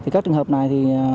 các trường hợp này